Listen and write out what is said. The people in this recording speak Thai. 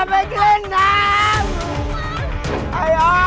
อ้อม่า